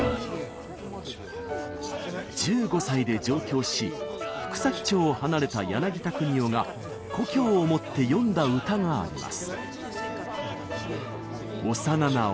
１５歳で上京し福崎町を離れた柳田国男が故郷を思って詠んだ歌があります。